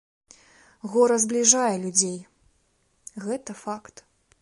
Гора збліжае людзей, гэта факт.